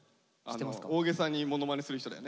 大げさにものまねする人だよね。